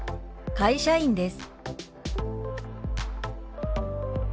「会社員です」。